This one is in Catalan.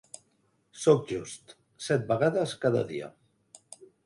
Sóc just: set vegades cada dia.